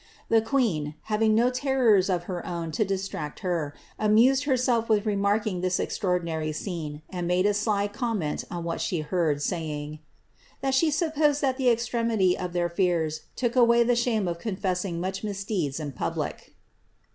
The queen, having no terrors of her own to distract her, amused herself with remarking tliis extraordinary scene, and made a sly comment on what she heard, saying, ^ that she supposed that the extremity of their fears took away the shame of Con fessing such misdeeds in public.''